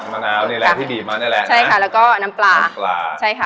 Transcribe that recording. มะนาวนี่แหละที่บีบมานี่แหละใช่ค่ะแล้วก็น้ำปลาน้ำปลาใช่ค่ะ